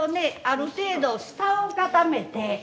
ある程度下を固めて。